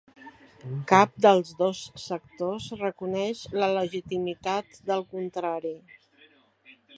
Cap dels dos sectors reconeix la legitimitat del contrari.